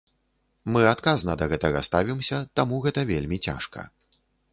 Мы адказна да гэтага ставімся, таму гэта вельмі цяжка.